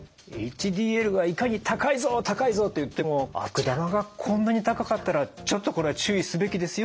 ＨＤＬがいかに高いぞ高いぞといっても悪玉がこんなに高かったらちょっとこれは注意すべきですよということ。